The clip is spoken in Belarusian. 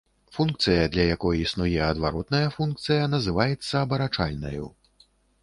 Функцыя, для якой існуе адваротная функцыя, называецца абарачальнаю.